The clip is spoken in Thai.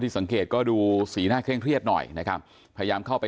สังเกตก็ดูสีหน้าเคร่งเครียดหน่อยนะครับพยายามเข้าไป